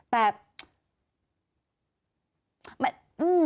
แต่